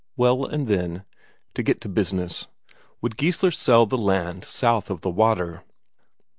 Well, and then, to get to business; Would Geissler sell the land south of the water?